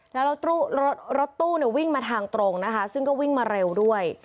แล้วรถตู้วิ่งมาทางตรงนะคะซึ่งก็วิ่งมาเร็วด้วย